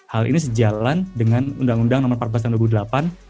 hal ini sejalan dengan undang undang nomor empat belas tahun dua ribu delapan